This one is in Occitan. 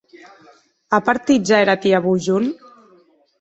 A partit ja era tia Bougon?